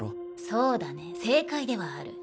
そうだね正解ではある。